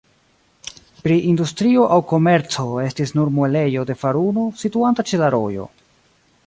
Pri industrio aŭ komerco estis nur muelejo de faruno, situanta ĉe la rojo.